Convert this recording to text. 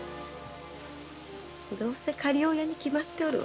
どうせ仮親に決まっておるわ。